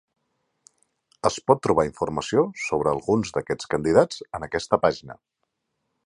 Es pot trobar informació sobre alguns d'aquests candidats en aquesta pàgina.